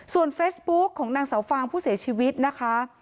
ส่วนเฟซบุ๊กของนางเสาฟางผู้เสียชีวิตนะคะ